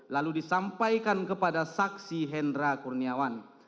lalu disampaikan kepada saksi hendra kurniawan